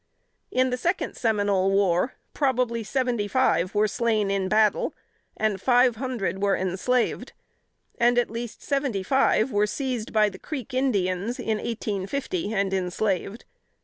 In the Second Seminole War, probably seventy five were slain in battle, and five hundred were enslaved; and at least seventy five were seized by the Creek Indians, in 1850, and enslaved.